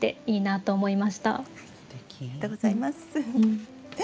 ありがとうございます。